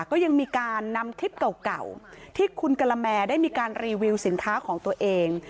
ก็ยังมีการนำคลิปเก่าที่คุณกะละแมได้มีการรีวิวสินค้าของตัวเอง